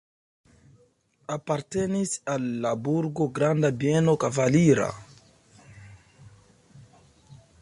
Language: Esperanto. Apartenis al la burgo granda bieno kavalira.